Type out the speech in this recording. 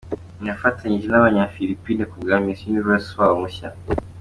Nifatanyije n’Abanyafilipine kubwa Miss Universe wabo mushya.